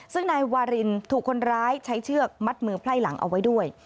ซึ่งนายวารินถูกคนร้ายใช้เชือกมัดมือไพร่หลังเอาไว้ด้วย